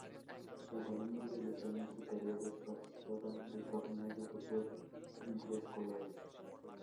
Los alumnos de los años superiores participaban de torneos de fútbol intra-escolares.